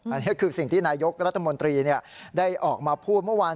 อันนี้คือสิ่งที่นายกรัฐมนตรีได้ออกมาพูดเมื่อวาน